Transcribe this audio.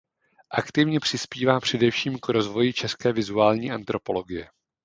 Aktivně přispívá především k rozvoji české vizuální antropologie.